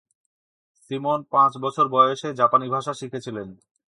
Simon পাঁচ বছর বয়সে জাপানি ভাষা শিখেছিলেন।